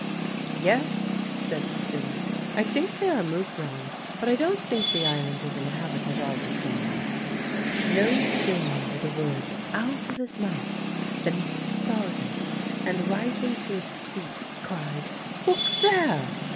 "Yes," said Stewart, "I think they are mouflon, but I don't think the island is inhabited all the same." No sooner were the words out of his mouth than he started, and rising to his feet, cried: "Look there!"